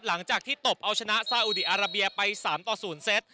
หลังจากที่ตบเอาชนะสาอุดีอาราเบียไปสามต่อศูนย์เซ็ต